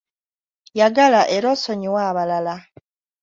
Yagala era osonyiwe abalala.